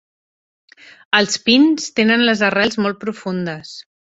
Els pins tenen les arrels molt profundes.